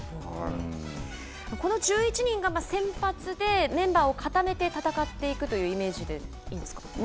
この１１人が先発でメンバーをかためて戦っていくというイメージでいいんですか。